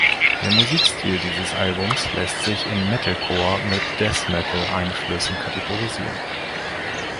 Der Musikstil dieses Albums lässt sich in Metalcore mit Death Metal-Einflüssen kategorisieren.